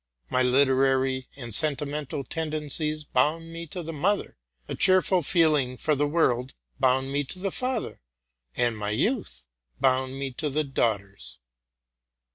My literary and sentimental tendencies bound me to the mother, a cheer ful feeling for the world bound me to the father, and my youth bound me to the daughters.